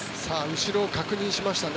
後ろを確認しましたね。